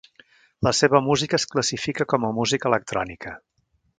La seva música es classifica com a música electrònica.